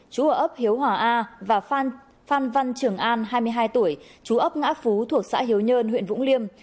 chú ở ấp hiếu hòa a và phan văn trường an hai mươi hai tuổi chú ấp ngã phú thuộc xã hiếu nhơn huyện vũng liêm